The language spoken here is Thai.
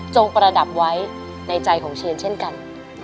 ประดับไว้ในใจของเชนเช่นกัน